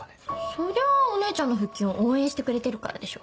そりゃお姉ちゃんの復帰を応援してくれてるからでしょ。